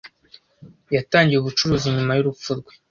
Yatangiye ubucuruzi nyuma y'urupfu rwe.